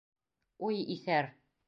Уй, иҫәр!